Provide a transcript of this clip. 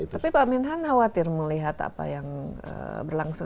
tapi pak minhan khawatir melihat apa yang berlangsung